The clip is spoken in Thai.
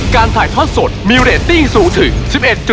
การถ่ายทอดสดมีเรตติ้งสูงถึง๑๑